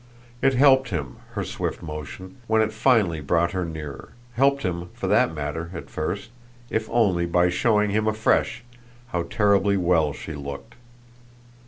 It helped him, her swift motion, when it finally brought her nearer; helped him, for that matter, at first, if only by showing him afresh how terribly well she looked.